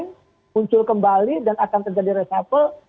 muncul kembali dan akan terjadi reshuffle